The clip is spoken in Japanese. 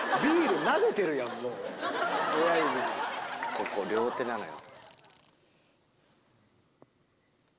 ここ両手なのよ。